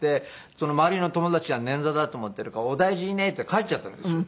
周りの友達は捻挫だと思っているから「お大事にね」って帰っちゃったんですよ。